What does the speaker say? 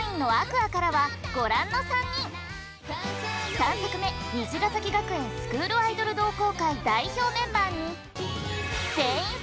３作目「虹ヶ咲学園スクールアイドル同好会」代表メンバーに全員参加！